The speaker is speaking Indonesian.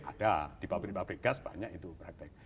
ada di pabrik pabrik gas banyak itu praktek